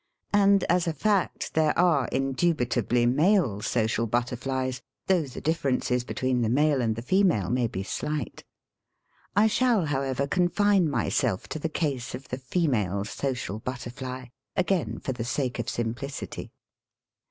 And, as a fact, there are indubitably male social butterflies, though the differences between the male and the female may be slight. I shall, however, confine myself to the case of the female social butterfly — again for the sake of simplicity.